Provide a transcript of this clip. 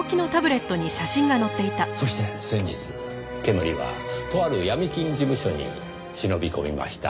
そして先日けむりはとある闇金事務所に忍び込みました。